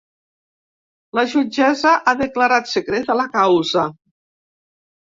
La jutgessa ha declarat secreta la causa.